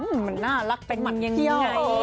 อื้มมันน่ารักไปหมันเวี้ยว